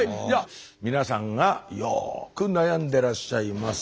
皆さんがよく悩んでらっしゃいます